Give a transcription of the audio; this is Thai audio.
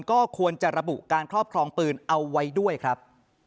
ก็ควรจะระบุการครอบครองปืนเอาไว้ด้วยครับ